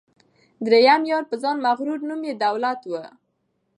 دریم یار په ځان مغرور نوم یې دولت وو